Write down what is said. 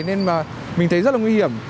nên mà mình thấy rất là nguy hiểm